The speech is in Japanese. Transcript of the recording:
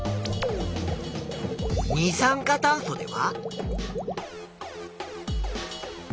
二酸化炭素では。